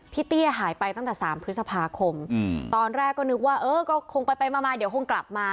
เตี้ยหายไปตั้งแต่๓พฤษภาคมตอนแรกก็นึกว่าเออก็คงไปมาเดี๋ยวคงกลับมา